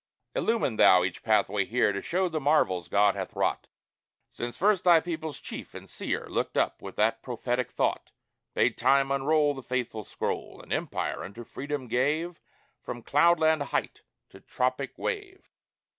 Illumine Thou each pathway here, To show the marvels God hath wrought! Since first thy people's chief and seer Looked up with that prophetic thought, Bade Time unroll The fateful scroll, And empire unto Freedom gave From cloudland height to tropic wave.